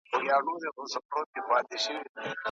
مثبت فکر د انرژۍ سرچینه ده.